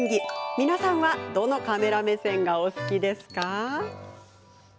皆さんはどのカメラ目線がお好きですか？